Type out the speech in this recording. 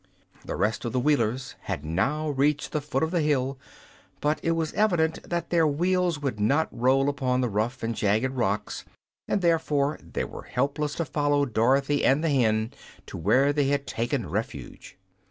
The rest of the Wheelers had now reached the foot of the hill, but it was evident that their wheels would not roll upon the rough and jagged rocks, and therefore they were helpless to follow Dorothy and the hen to where they had taken refuge.